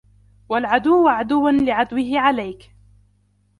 وَالْعَدُوُّ عَدُوًّا لِعَدْوِهِ عَلَيْك